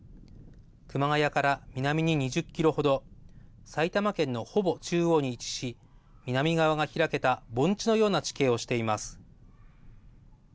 熊谷から南に２０キロほど、埼玉県のほぼ中央に位置し、南側が開けた盆地のような地形をしています。